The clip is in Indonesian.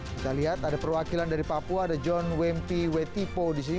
kita lihat ada perwakilan dari papua ada john wempi wetipo di sini